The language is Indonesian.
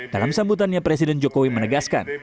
dalam sambutannya presiden jokowi menegaskan